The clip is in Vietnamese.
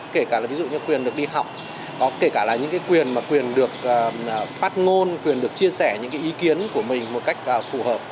kể cả là ví dụ như quyền được đi học kể cả là những quyền mà quyền được phát ngôn quyền được chia sẻ những ý kiến của mình một cách phù hợp